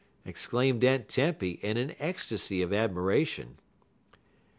exclaimed Aunt Tempy in an ecstasy of admiration.